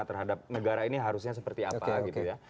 terhadap negara ini harusnya seperti apa gitu ya